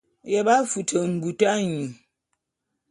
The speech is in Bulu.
Nye b'afute mbut anyu.